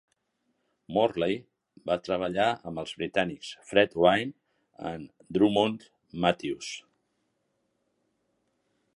Morley va treballar amb els britànics Fred Vine i Drummond Matthews.